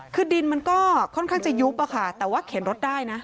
คือดินมันก็ค่อนข้างจะยุบอะค่ะแต่ว่าเข็นรถได้นะ